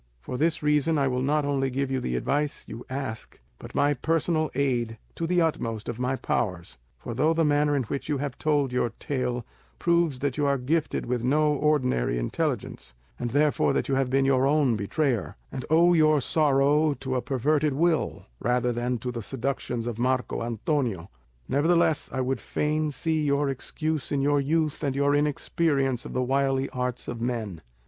For this reason I will not only give you the advice you ask, but my personal aid to the utmost of my powers; for though the manner in which you have told your tale proves that you are gifted with no ordinary intelligence, and therefore that you have been your own betrayer, and owe your sorrow to a perverted will rather than to the seductions of Marco Antonio, nevertheless I would fain see your excuse in your youth and your inexperience of the wily arts of men.